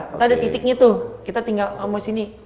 kita ada titiknya tuh kita tinggal mau sini